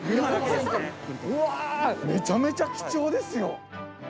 めちゃめちゃ貴重ですよ。